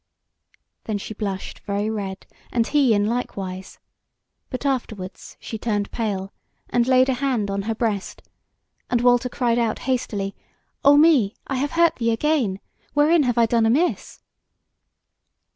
Then she blushed very red, and he in like wise; but afterwards she turned pale, and laid a hand on her breast, and Walter cried out hastily: "O me! I have hurt thee again. Wherein have I done amiss?"